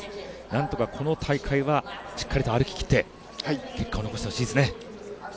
なんとかこの大会はしっかりと歩ききって結果を残してほしいですね。